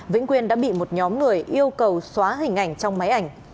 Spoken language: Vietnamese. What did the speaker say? vĩnh quyên đã bị một nhóm người yêu cầu xóa hình ảnh trong máy ảnh